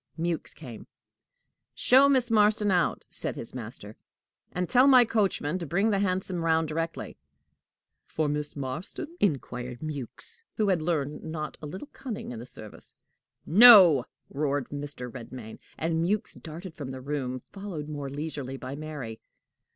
Mewks came. "Show Miss Marston out," said his master; "and tell my coachman to bring the hansom round directly." "For Miss Marston?" inquired Mewks, who had learned not a little cunning in the service. "No!" roared Mr. Redmain; and Mewks darted from the room, followed more leisurely by Mary.